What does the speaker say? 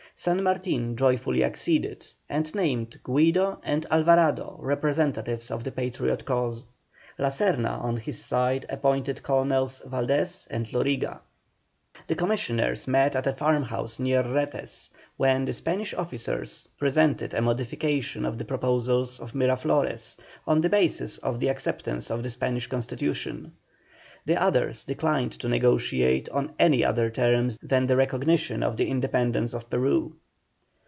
San Martin joyfully acceded, and named Guido and Alvarado representatives of the Patriot cause. La Serna on his side appointed Colonels Valdés and Loriga. The Commissioners met at a farm house near Retes, when the Spanish officers presented a modification of the proposals of Miraflores, on the basis of the acceptance of the Spanish Constitution. The others declined to negotiate on any other basis than the recognition of the independence of Peru.